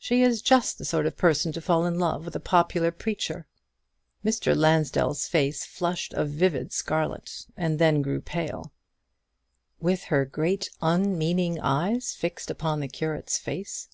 She is just the sort of person to fall in love with a popular preacher." Mr. Lansdell's face flushed a vivid scarlet, and then grew pale. "With her great unmeaning eyes fixed upon the curate's face."